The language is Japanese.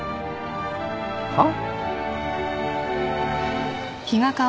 はっ？